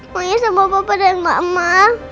mau nyisam papa dan mama